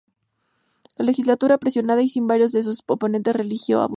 La legislatura, presionada y sin varios de sus oponentes, reeligió a Bustos.